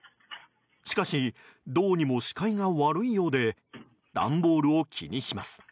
しかし、どうにも視界が悪いようで段ボールを気にします。